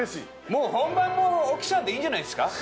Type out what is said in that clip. もう本番も沖さんでいいんじゃないですか？